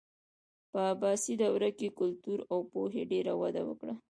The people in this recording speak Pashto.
په عباسي دوره کې کلتور او پوهې ډېره وده وکړه.